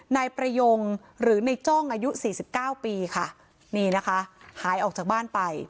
นายประยงหรือในจ้องอายุสี่สิบเก้าปีค่ะนี่นะคะหายออกจากบ้านไป